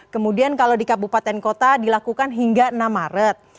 kemudian kalau di kabupaten kota dilakukan hingga enam maret